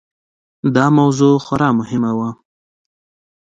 دا موضوع خورا مهمه وه.